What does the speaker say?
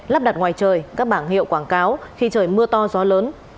lắp đặt ngoài trời các bảng hiệu quảng cáo khi trời mưa to gió lớn